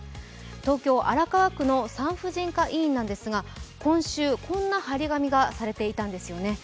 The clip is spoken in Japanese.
東京・荒川区の産婦人科医院なんですが、今週こんな貼り紙がされていたんですよね。